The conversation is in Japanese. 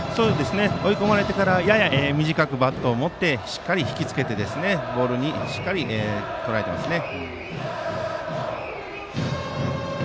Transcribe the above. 追い込まれてからやや短くバットを持ってしっかり引きつけてボールをとらえていますね。